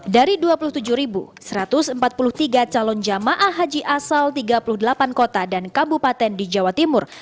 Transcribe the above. dari dua puluh tujuh satu ratus empat puluh tiga calon jamaah haji asal tiga puluh delapan kota dan kabupaten di jawa timur